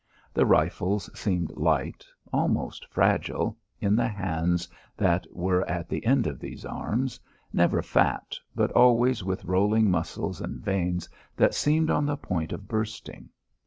The rifles seemed light, almost fragile, in the hands that were at the end of these arms, never fat but always with rolling muscles and veins that seemed on the point of bursting.